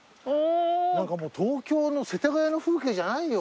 何かもう東京の世田谷の風景じゃないよ。